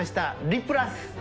「リプラス」